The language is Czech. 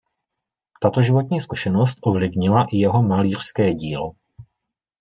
Tato životní zkušenost ovlivnila i jeho malířské dílo.